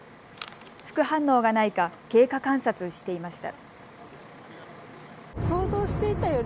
副反応がないか、経過観察していました。